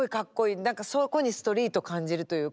何かそこにストリート感じるというか。